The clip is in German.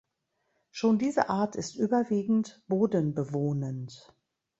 Schon diese Art ist überwiegend bodenbewohnend.